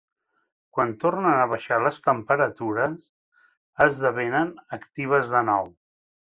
Quan tornen a baixar les temperatures, esdevenen actives de nou.